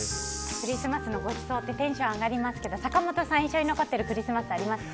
クリスマスのごちそうってテンションが上がりますけど坂本さん、印象に残っているクリスマスありますか？